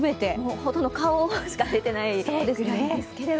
ほとんど顔しか出てないくらいですけど。